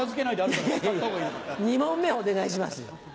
２問目お願いしますよ